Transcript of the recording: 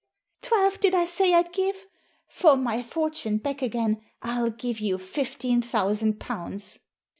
Twelve did I say I'd give ? For my fortune back again Til give you fifteen thousand pounds